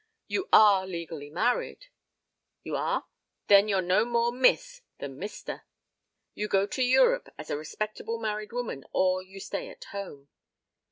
You are legally married? You are? Then you're no more miss than mister. You go to Europe as a respectable married woman or you stay at home.